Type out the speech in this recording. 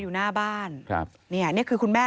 อยู่หน้าบ้านเนี่ยคือคุณแม่